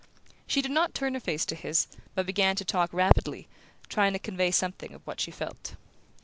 She did not turn her face to his, but began to talk rapidly, trying to convey something of what she felt.